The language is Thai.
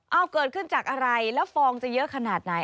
เอาเกิดขึ้นจากอะไรแล้วฟองจะเยอะขนาดไหน